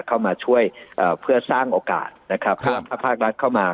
เข้ามาช่วยเอ่อเพื่อสร้างโอกาสนะครับเพราะว่าถ้าภาครัฐเข้ามา